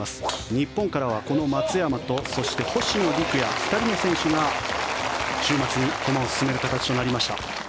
日本からはこの松山と、そして星野陸也２人の選手が週末に駒を進める形となりました。